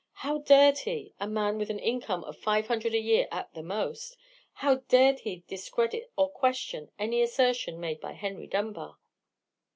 How dared he—a man with an income of five hundred a year at the most—how dared he discredit or question any assertion made by Henry Dunbar?